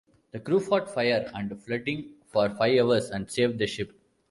The crew fought fire and flooding for five hours and saved the ship.